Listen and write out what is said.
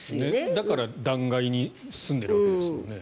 だから断崖にすんでいるわけですもんね。